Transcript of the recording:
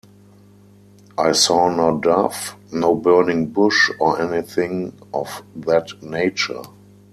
I saw no dove, no burning bush or anything of that nature.